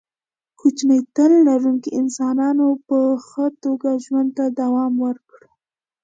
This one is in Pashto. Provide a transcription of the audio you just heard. کوچني تن لرونکو انسانانو په ښه توګه ژوند ته دوام ورکړ.